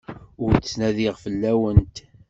Ur ttnadiɣ fell-awent.